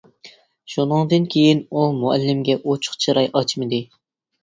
شۇنىڭدىن كېيىن ئۇ مۇئەللىمگە ئۇچۇق چىراي ئاچمىدىم.